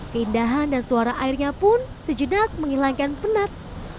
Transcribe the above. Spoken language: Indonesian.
keindahan dan suara airnya pun sejenak menghilangkan penat